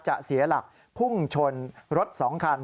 เสียหลักพุ่งชนรถ๒คัน